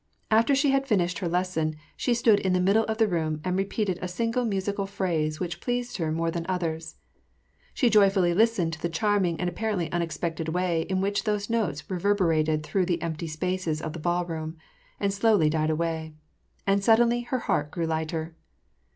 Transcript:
After she had finished her lesson, she stood in the middle of the room and repeated a single musical phrase which pleased her more than others. She joyfully listened to the charming and apparently unexpected way in which these notes reverberated through the empty spaces of the ballroom, and slowly died away ; and suddenly her heart grew lighter.